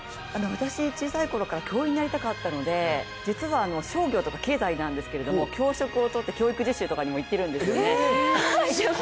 私、小さいときから教員になりたかったので実は商業とか経済なんですけど教職を取って教育実習にも行っているんですよね。